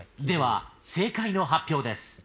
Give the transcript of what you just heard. では正解の発表です。